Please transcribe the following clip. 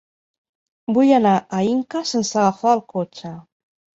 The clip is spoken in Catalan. Vull anar a Inca sense agafar el cotxe.